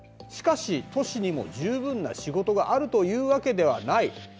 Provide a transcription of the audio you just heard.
しかし都市にも十分な仕事があるというわけではない。